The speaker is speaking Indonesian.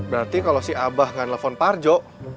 berarti kalau si abah gak nelfon parjo